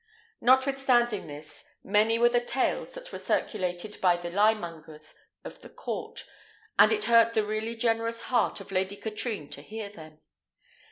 Notwithstanding this, many were the tales that were circulated by the liemongers of the court; and it hurt the really generous heart of Lady Katrine to hear them.